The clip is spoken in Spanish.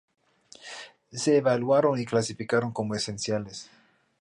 Se evaluaron y clasificaron como esenciales.